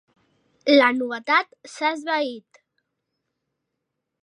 La novetat s'ha esvaït.